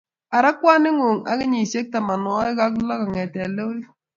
Ara kwaningung ak kenyisiek tamanwogik ak lo kogete lorit